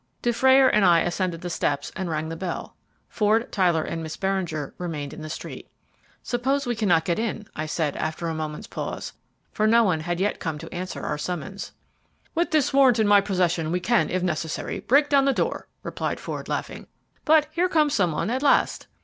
Dufrayer and I ascended the steps and rang the bell. Ford, Tyler, and Miss Beringer remained in the street. "Suppose we cannot get in?" I said, after a moment's pause, for no one had yet come to answer our summons. "With this warrant in my possession we can, if necessary, break down the door," replied Ford, laughing. "But here comes some one at last."